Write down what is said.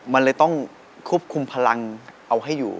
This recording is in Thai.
มันเลยต้องควบคุมพลังเอาให้อยู่